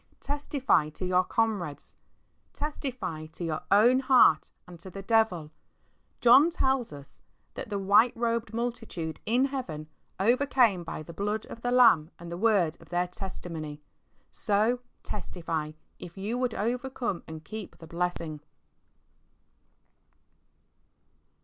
Testify to your comrades. Testify to your own heart and to the devil. John tells us that the w'hite robed 3 ^ HEART TALKS ON HOLINESS. multitude in Heaven overcame by the Blood of the Lamb and the word of their testimony. So testify, if you would overcome and keep the blessing.